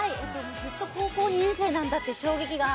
ずっと、高校２年生なんだって衝撃が。